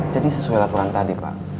jadi sesuai laporan tadi pak